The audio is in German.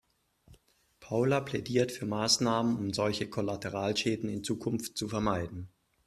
Paula plädiert für Maßnahmen, um solche Kollateralschäden in Zukunft zu vermeiden.